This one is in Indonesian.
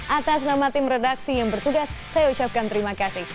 atas nama tim redaksi yang bertugas saya ucapkan terima kasih